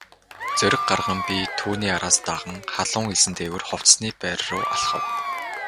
Зориг гарган би түүний араас даган халуун элсэн дээгүүр хувцасны байр руу алхав.